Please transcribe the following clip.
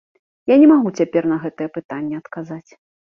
Я не магу цяпер на гэтае пытанне адказаць.